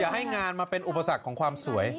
ให้งานมาเป็นอุปสรรคของความสวย